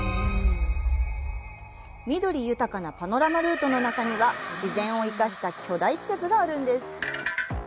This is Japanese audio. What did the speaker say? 緑豊かなパノラマルートの中には自然をいかした巨大施設があるんです。